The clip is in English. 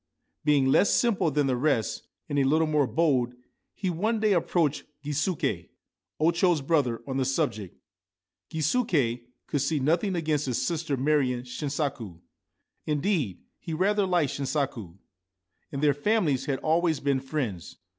Being less simple than the rest, and a little more bold, he one day approached Gisuke, O Cho's brother, on the subject. Gisuke could see nothing against his sister marrying Shinsaku ; indeed, he rather liked Shinsaku ; and their families had always been friends.